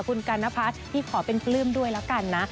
คุณการ์นะพัดพี่ขอเป็นปลื้มด้วยแล้วกันนะ